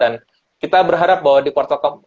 dan kita berharap bahwa di kuartal